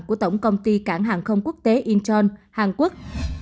của tổng công ty cảng hàng không quốc tế incheon hàn quốc